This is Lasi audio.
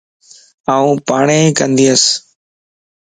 آن پاڻئين ڪندياس